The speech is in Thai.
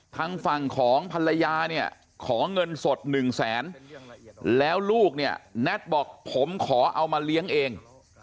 ทางฝั่งของภรรยาเนี่ยขอเงินสดหนึ่งแสนแล้วลูกเนี่ยแน็ตบอกผมขอเอามาเลี้ยงเอง